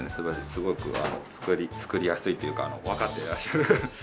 すごく作りやすいというかわかってらっしゃる。